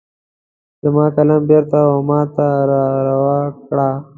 زما قلم بیرته وماته را روا کړه